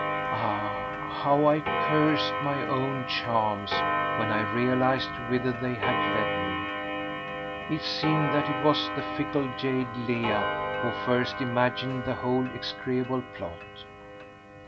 Ah, how I cursed my own charms, when I realised whither they had led me! It seems that it was that fickle jade Leah who first imagined the whole execrable plot.